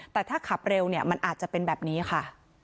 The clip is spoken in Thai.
แต่ถ้าขับเร็วเนี่ยมันอาจจะเป็นแบบนี้ค่ะ